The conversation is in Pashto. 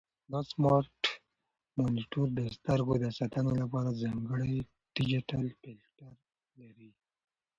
دا سمارټ مانیټور د سترګو د ساتنې لپاره ځانګړی ډیجیټل فلټر لري.